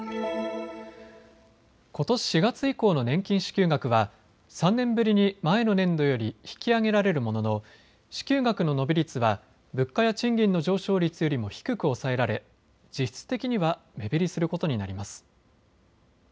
ことし４月以降の年金支給額は３年ぶりに前の年度より引き上げられるものの支給額の伸び率は物価や賃金の上昇率よりも低く抑えられ実質的には目減りすることになります。